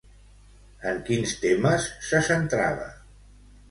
En quins temes se centrava?